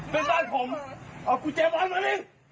เป็นบ้านผมเอาคู่เจ๊บ้านมานี่